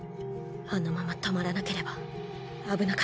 あのまま止まらなければ危なかった。